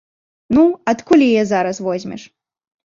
Ну, адкуль яе зараз возьмеш?